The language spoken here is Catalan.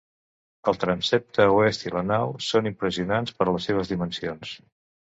El transsepte oest i la nau són impressionants per les seves dimensions.